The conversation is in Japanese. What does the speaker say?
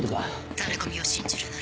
タレコミを信じるなら。